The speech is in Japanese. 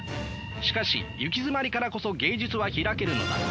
しかしゆきづまりからこそ芸術は開けるのだ。